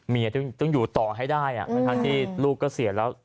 เมียต้องอยู่ต่อให้ได้ทั้งที่ลูกก็เสียแล้ว